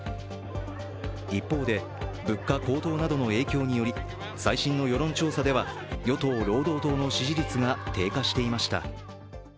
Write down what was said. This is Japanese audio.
一方で、物価高騰などの影響により最新の世論調査では与党・労働党の支持率が低下していました。